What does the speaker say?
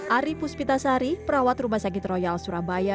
ari puspitasari perawat rumah sakit royal surabaya